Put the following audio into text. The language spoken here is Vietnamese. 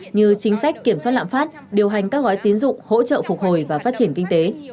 như chính sách kiểm soát lạm phát điều hành các gói tín dụng hỗ trợ phục hồi và phát triển kinh tế